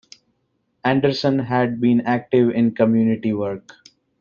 Anderson had been active in community work.